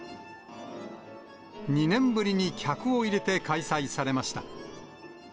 ２年ぶりに客を入れて開催されました。